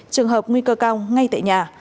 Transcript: trường hợp nguy cơ cao ngay tại nhà